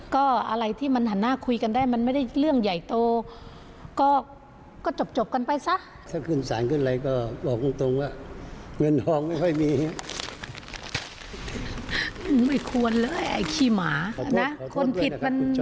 ขอโทษขอโทษด้วยนะครับคุณจอยพี่ย้อนขอโทษด้วยนะครับ